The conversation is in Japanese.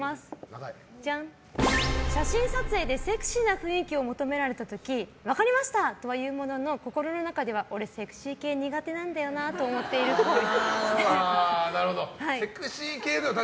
写真撮影でセクシーな雰囲気を求められた時分かりました！とは言うものの心の中では俺セクシー系苦手なんだよなと思っているっぽい。